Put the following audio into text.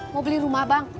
mau beli rumah bang